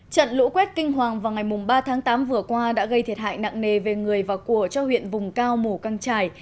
trận lũ quét kinh hoàng vào ngày ba tháng tám vừa qua đã gây thiệt hại nặng nề về người và của cho huyện vùng cao mù căng trải